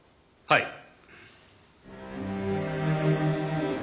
はい。